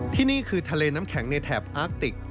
ที่นี่คือทะเลน้ำแข็งในแถบอาร์กติก